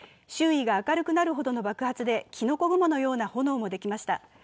周囲が明るくなるほどの爆発できのこ雲のような炎もできました。